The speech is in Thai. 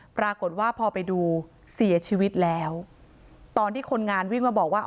ปรากฏว่าพอไปดูเสียชีวิตแล้วตอนที่คนงานวิ่งมาบอกว่า